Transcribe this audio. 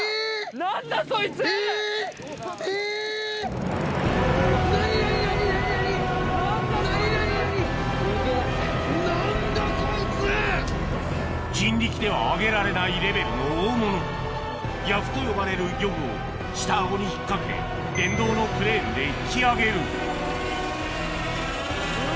何何何何何⁉何何何⁉人力では上げられないレベルの大物ギャフと呼ばれる漁具を下顎に引っ掛け電動のクレーンで引き上げるうわ！